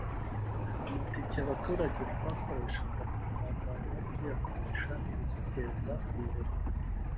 amatike abaturage twakoreshaga twazajya tuyakoresha ibiduteza imbere